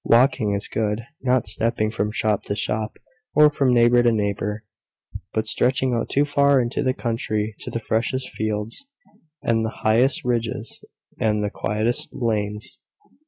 Walking is good, not stepping from shop to shop, or from neighbour to neighbour; but stretching out far into the country, to the freshest fields, and the highest ridges, and the quietest lanes.